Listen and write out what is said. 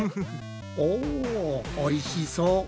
おおいしそう！